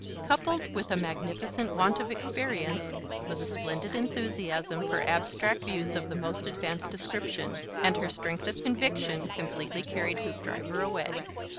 Coupled with a magnificent want of experience was a splendid enthusiasm for abstract views of the most advanced description, and her strength of conviction completely carried Hoopdriver away.